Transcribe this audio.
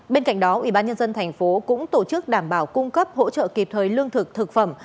bên cạnh đó ubnd tp cũng tổ chức đảm bảo cung cấp hỗ trợ kịp thời lương thực thực phẩm